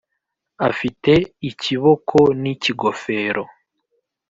Afite ikiboko n'ikigofero